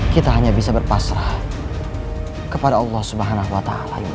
kita hanya bisa berpasrah kepada allah swt